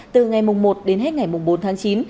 từ ngày một đến hết ngày bốn tháng chín